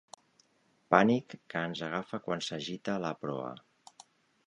Pànic que ens agafa quan s'agita la proa.